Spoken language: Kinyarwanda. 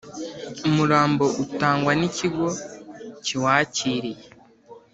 umurambo atangwa n ‘ikigo kiwakiriye.